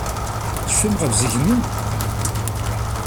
Tecfamt ɣef zik-nni?